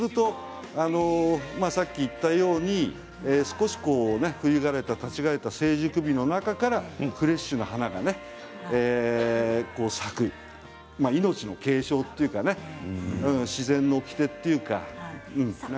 さっき言ったように少し冬枯れた、立ち枯れた成熟美の中からフレッシュな花が咲く命の継承というか自然のおきてというか。